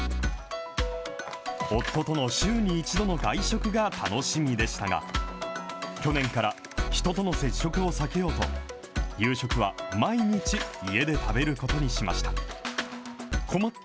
夫との週に１度の外食が楽しみでしたが、去年から、人との接触を避けようと、夕食は毎日、家で食べることにしました。